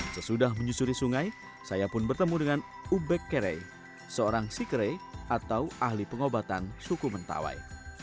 sesudah menyusuri sungai saya pun bertemu dengan ubek kere seorang sikere atau ahli pengobatan suku mentawai